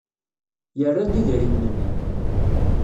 Yerra-d idrimen-nni.